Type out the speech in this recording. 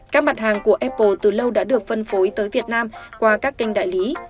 các mặt hàng của apple từ lâu đã được phân phối tới việt nam qua các kênh đại lý